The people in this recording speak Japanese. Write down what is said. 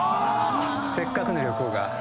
せっかくの旅行が。